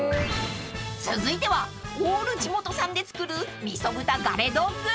［続いてはオール地元産で作るみそ豚ガレドッグ］